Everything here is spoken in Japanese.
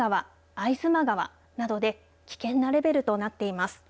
逢妻川などで危険なレベルとなっています。